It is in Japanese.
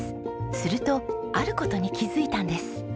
するとある事に気づいたんです。